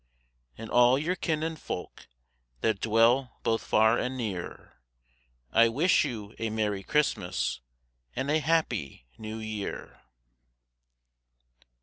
And all your kin and folk, That dwell both far and near; I wish you a merry Christmas, And a happy New Year.